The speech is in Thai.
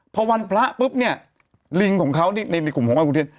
เมื่อวันพระปุ๊บเนี่ยลิงของเขาในขุมวงวัดปุ๊บเทศ